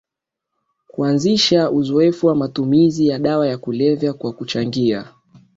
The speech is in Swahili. kuanzisha uzoefu wa matumizi ya dawa ya kulevya Kwa kuchangia